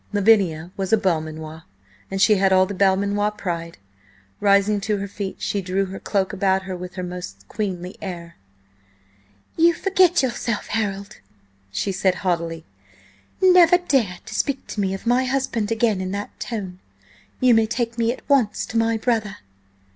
Lavinia was a Belmanoir, and she had all the Belmanoir pride. Rising to her feet she drew her cloak about her with her most queenly air. "You forget yourself, Harold," she said haughtily. "Never dare to speak to me of my husband again in that tone! You may take me at once to my brother."